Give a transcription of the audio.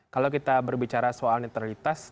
kalau kita berbicara soal netralitas